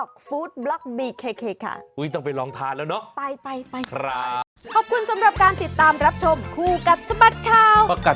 ครับคลิปนี้ขอบคุณเลยนะคะ